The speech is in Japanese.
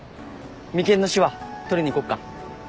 眉間のしわ取りに行こっか。